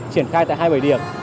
triển khai tại hai bảy điểm